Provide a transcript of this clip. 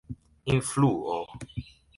influo